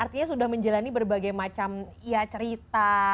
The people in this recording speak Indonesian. artinya sudah menjalani berbagai macam cerita